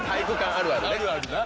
あるあるな。